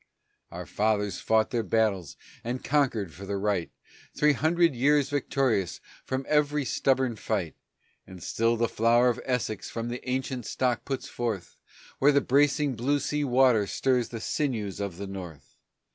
Our fathers fought their battles, and conquered for the right, Three hundred years victorious from every stubborn fight; And still the Flower of Essex from the ancient stock puts forth, Where the bracing blue sea water strings the sinews of the North.